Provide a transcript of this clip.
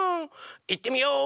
いってみよう！